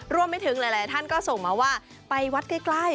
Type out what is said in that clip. รวมไม่ถึงเลยแล้วท่านก็ส่งมาว่าไปวัดใกล้